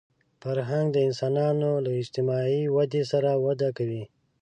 فرهنګ د انسانانو له اجتماعي ودې سره وده کوي